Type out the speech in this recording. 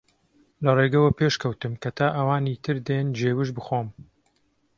لە ڕێگە وەپێش کەوتم کە تا ئەوانی تر دێن گێوژ بخۆم